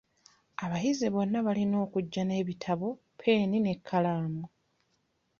Abayizi bonna balina okujja n'ebitabo, ppeeni n'ekkalaamu.